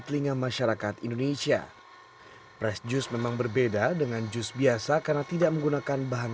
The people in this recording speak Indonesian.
trend meminum press juice pun juga semakin meningkat